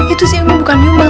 itu sih umi bukan nyumbang